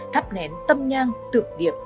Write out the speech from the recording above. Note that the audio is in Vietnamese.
thắp nén tâm nhang tược điệp